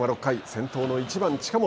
先頭の１番近本。